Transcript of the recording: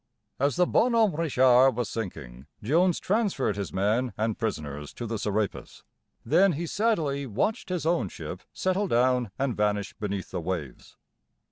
As the Bonhomme Richard was sinking, Jones transferred his men and prisoners to the Serapis. Then he sadly watched his own ship settle down and vanish beneath the waves.